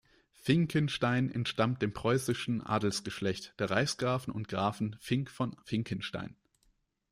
Finckenstein entstammt dem preußischen Adelsgeschlecht der Reichsgrafen und Grafen Finck von Finckenstein.